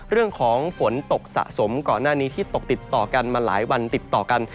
เรื่องของฝนตกสะสมก่อนหน้านี้ที่ตกติดต่อกันมาหลายวันติดต่อกัน